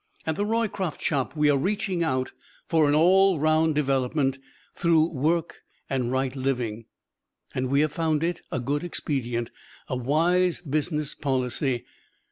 At the Roycroft Shop we are reaching out for an all round development through work and right living. And we have found it a good expedient a wise business policy.